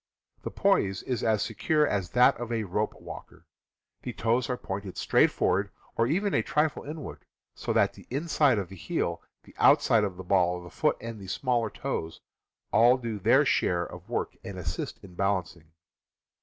The poise is as secure as that of a rope walker. The toes are pointed straight forward, or even a trifle inward, so that the inside of the heel, the outside of the ball of the foot, and the smaller toes, all do their share of work and assist in balancing.